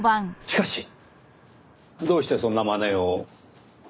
しかしどうしてそんな真似を？